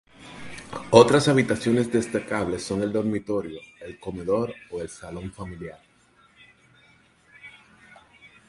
Otras habitaciones destacables son el dormitorio, el comedor o el salón familiar.